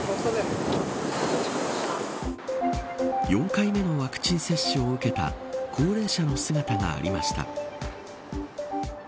４回目のワクチン接種を受けた高齢者の姿がありました。